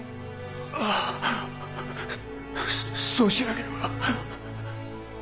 ああそうしなければ昔。